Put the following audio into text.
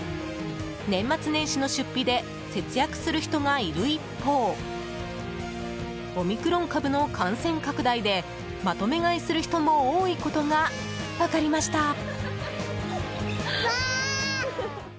年末年始の出費で節約する人がいる一方オミクロン株の感染拡大でまとめ買いする人も多いことが分かりました。